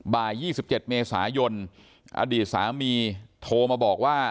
บ่าย๒๗เมษายนอดีตสามีโทรมาบอกว่า